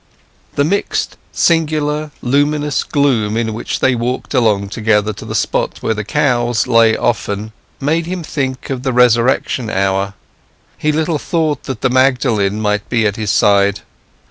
The mixed, singular, luminous gloom in which they walked along together to the spot where the cows lay often made him think of the Resurrection hour. He little thought that the Magdalen might be at his side.